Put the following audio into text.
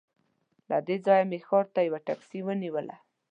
له دې ځایه مې ښار ته یوه ټکسي ونیوله.